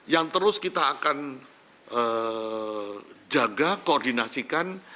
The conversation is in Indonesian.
yang terus kita akan jaga koordinasikan